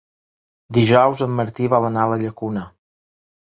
Dijous en Martí vol anar a la Llacuna.